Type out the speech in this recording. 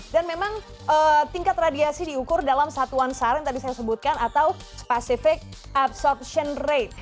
dan memang tingkat radiasi diukur dalam satuan sar yang tadi saya sebutkan atau specific absorption rate